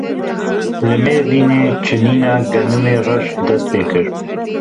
Li Mêrdînê çinîna genimê reş dest pê kir.